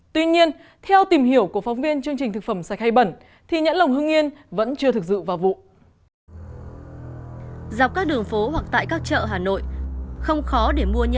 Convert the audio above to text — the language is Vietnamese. tính đến thời điểm này việc thu mua nhãn lồng hương yên chưa được nhiều